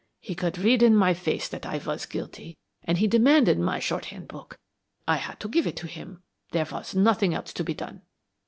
He could read in my face that I was guilty, and he demanded my shorthand note book. I had to give it to him; there was nothing else to be done."